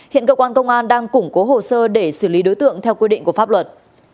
hiện cơ quan công an đang củng cố hồ sơ để xử lý đối tượng theo quy định của pháp luật